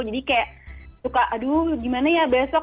jadi kayak suka aduh gimana ya besok